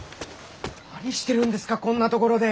何してるんですかこんな所で！